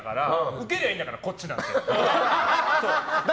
ウケりゃいいんだからこっちだって。